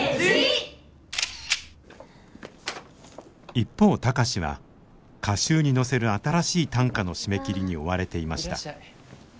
一方貴司は歌集に載せる新しい短歌の締め切りに追われていました。